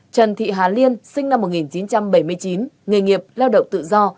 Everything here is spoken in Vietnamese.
trần thị hà liên sinh năm một nghìn chín trăm bảy mươi chín nghề nghiệp lao động tự do